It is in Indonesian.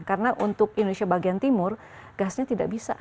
karena untuk indonesia bagian timur gasnya tidak bisa dikembangkan